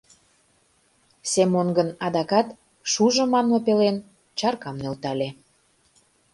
Семон гын адакат «шужо» манме пелен чаркам нӧлтале.